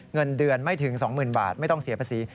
เงินเดือนไม่ถึง๒๐๐๐บาทไม่ต้องเสียภาษี